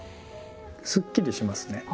すっきりしますね。